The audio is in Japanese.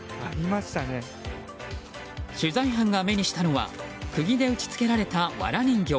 取材班が目にしたのは釘で打ち付けられた、わら人形。